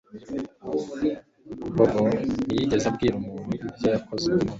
Bobo ntiyigeze abwira umuntu ibyo yakoze uwo munsi